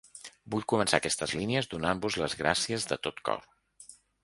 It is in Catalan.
Vull començar aquestes línies donant-vos les gràcies de tot cor.